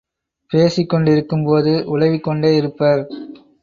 பேசிக்கொண்டிருக்கும்போது உலவிக்கொண்டே இருப்பர்.